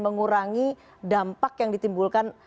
mengurangi dampak yang ditimbulkan